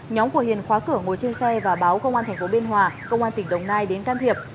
nhóm của hiền khóa cửa ngồi trên xe và báo công an tp biên hòa công an tỉnh đồng nai đến can thiệp